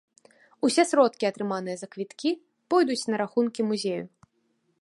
Усе сродкі, атрыманыя за квіткі, пойдуць на рахункі музею.